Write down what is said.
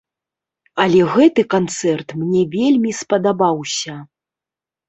Але гэты канцэрт мне вельмі спадабаўся.